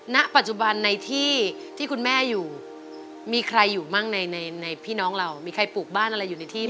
ณปัจจุบันในที่ที่คุณแม่อยู่มีใครอยู่มั่งในพี่น้องเรามีใครปลูกบ้านอะไรอยู่ในที่